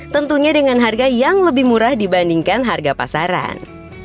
tentunya dengan harga yang lebih murah dibandingkan harga pasaran